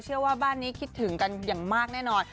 ว่าบ้านนี้คิดถึงกันอย่างมากแน่นอน